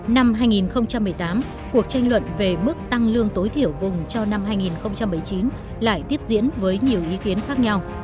năm hai nghìn một mươi tám cuộc tranh luận về mức tăng lương tối thiểu vùng cho năm hai nghìn một mươi chín lại tiếp diễn với nhiều ý kiến khác nhau